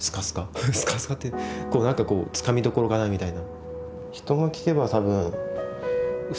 スカスカって何かこうつかみどころがないみたいな。